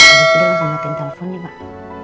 tadi sudah langsung matiin teleponnya pak